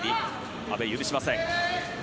阿部は許しません。